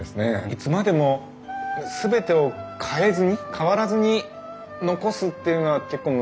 いつまでも全てを変えずに変わらずに残すっていうのは結構難しいと思うんですよね。